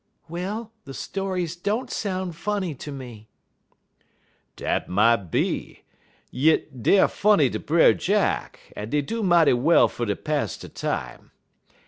"Well, the stories don't sound funny to me." "Dat mought be, yit deyer funny ter Brer Jack, en dey do mighty well fer ter pass de time.